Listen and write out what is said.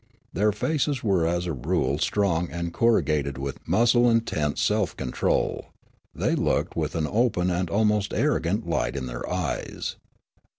Their faces were as a rule strong and corrugated with muscle and tense self control ; they looked with an open and almost arrogant light in their ej'es.